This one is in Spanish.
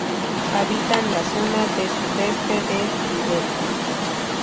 Habitan la zona sudeste del Tíbet.